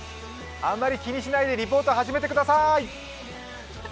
あまり気にしないでリポート始めてくださーい。